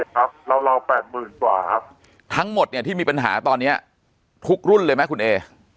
ครับเรา๘๐๐๐กว่าครับทั้งหมดเนี่ยที่มีปัญหาตอนนี้ทุกรุ่นเลยไหมคุณเอ